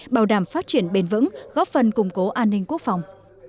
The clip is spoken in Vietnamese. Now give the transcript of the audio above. bảo đảm phát triển bền vững góp phần củng cố an ninh quốc phòng